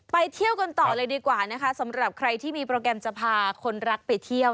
เที่ยวกันต่อเลยดีกว่านะคะสำหรับใครที่มีโปรแกรมจะพาคนรักไปเที่ยว